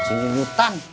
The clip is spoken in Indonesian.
masih masih nyutan